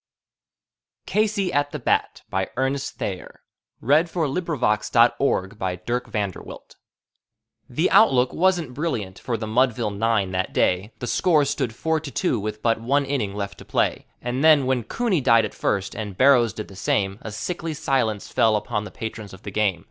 CASEY AT THE BAT By Ernest Thayer, Alpha / Harvard 1885 The outlook wasn't brilliant for the Mudville nine that day; The score stood four to two with but one inning left to play; And then, when Cooney died at first, and Barrows did the same, A sickly silence fell upon the patrons of the game.